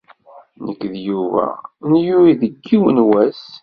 Nekk d Yuba nlul deg yiwen wass.